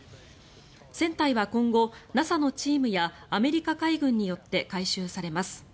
船体は今後、ＮＡＳＡのチームやアメリカ海軍によって回収されます。